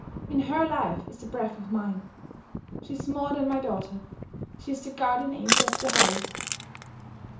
In her life is the breath of mine. She is more than my daughter; she is the guardian angel of the house.